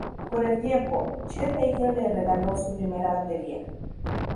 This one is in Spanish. Con el tiempo, Chet Baker le regaló su primera batería.